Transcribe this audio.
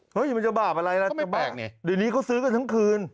เฮ้ยมันจะบาปอะไรล่ะเดี๋ยวนี้เขาซื้อกันทั้งคืน